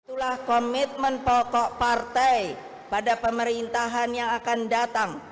itulah komitmen pokok partai pada pemerintahan yang akan datang